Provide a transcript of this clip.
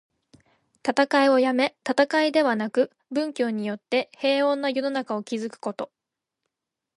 戦いをやめ、戦いではなく、文教によって平穏な世の中を築くこと。